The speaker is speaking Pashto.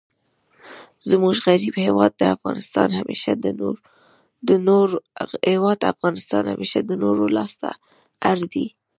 زموږ غریب هیواد افغانستان همېشه د نورو لاس ته اړ دئ.